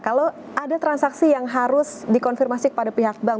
kalau ada transaksi yang harus dikonfirmasi kepada pihak bank